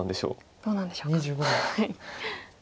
どうなんでしょうか。